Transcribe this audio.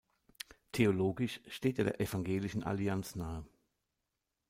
Theologisch steht er der Evangelischen Allianz nahe.